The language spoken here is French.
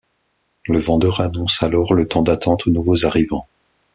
Le vendeur annonce alors le temps d'attente aux nouveaux arrivants.